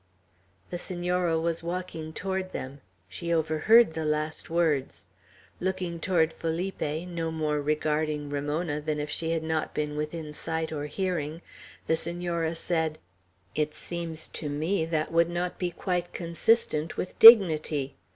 The Senora was walking toward them. She overheard the last words. Looking toward Felipe, no more regarding Ramona than if she had not been within sight or hearing, the Senora said, "It seems to me that would not be quite consistent with dignity.